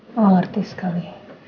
mama ngerti sekali